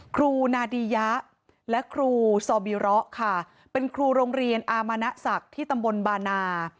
ครูนาดียะและครูซอบิระค่ะเป็นครูโรงเรียนอามณศักดิ์ที่ตำบลบานา